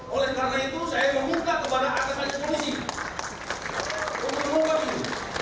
oleh karena itu saya membuka kepada atas atas polisi untuk mengungkap ini